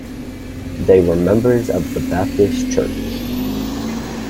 They were members of the Baptist Church.